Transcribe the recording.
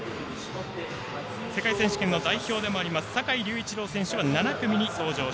世界選手権の代表でもある坂井隆一郎選手は７組です。